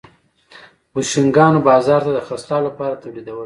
بوشونګانو بازار ته د خرڅلاو لپاره تولیدول.